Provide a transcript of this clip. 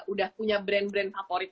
udah punya brand brand favorit